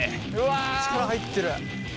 力入ってる。